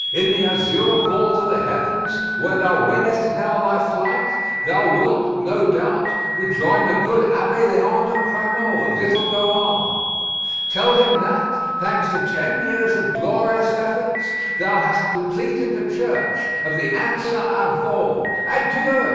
In the azure vault of the heavens, where thou wingest now thy flight, thou wilt, no doubt, rejoin the good Abbé Leander Crameau, of Little Goave. Tell him that, thanks to ten years of glorious efforts, thou hast completed the church of the Ansa à Veau. Adieu!